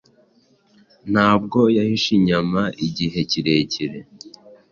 Ntabwo yahishe inyama igihe kirekire